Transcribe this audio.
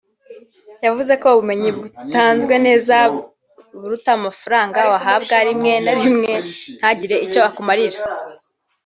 yavuze ko ubumenyi butanzwe neza buruta amafaranga wahabwa rimwe na rimwe ntagire icyo akumarira